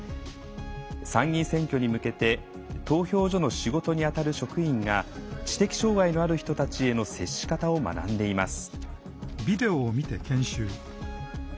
参議院選挙に向けて投票所の仕事にあたる職員が知的障害のある人たちへの接し方を学んでいます。